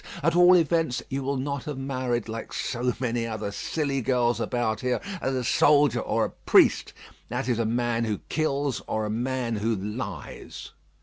At all events, you will not have married, like so many other silly girls about here, a soldier or a priest, that is, a man who kills or a man who lies.